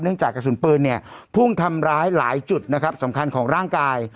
จากกระสุนปืนเนี่ยพุ่งทำร้ายหลายจุดนะครับสำคัญของร่างกาย